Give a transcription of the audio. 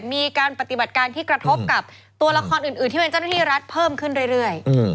มีการปฏิบัติการที่กระทบกับตัวละครอื่นที่เป็นเจ้าหน้าที่รัฐเพิ่มขึ้นเรื่อย